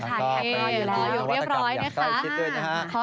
ใช่อยู่เรียบร้อยนะคะ